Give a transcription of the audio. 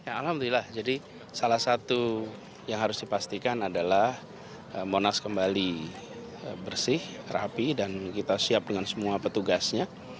alhamdulillah jadi salah satu yang harus dipastikan adalah monas kembali bersih rapi dan kita siap dengan semua petugasnya